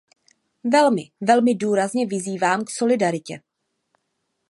Velmi, velmi důrazně vyzývám k solidaritě.